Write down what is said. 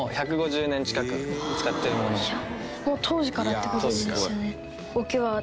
もう当時からって事ですよね。